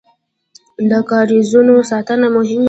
د کاریزونو ساتنه مهمه ده